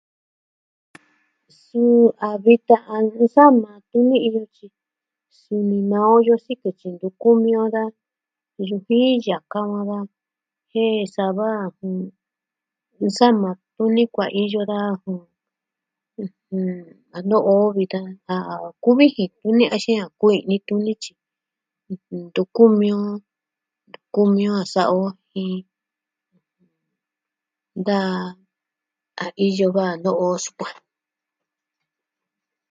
Suu a vitan a nsama tuni iyo tyi suni maa o iyo sikɨ tyi ntu kumi o da iyo yujin yaka saa va va jen sava, jɨn... nsama tuni kuaiyo da... ɨjɨn... a no'o vitan a kuvijin tuni axin kuvi i'ni tuni tyi ɨjɨn, ntu kumi o sa'a o jin... da... a iyo va'a no'o sukuan.